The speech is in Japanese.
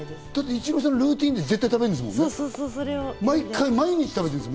イチローさんはルーティンで絶対食べるんだもんね、毎日。